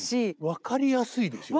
分かりやすいですよね。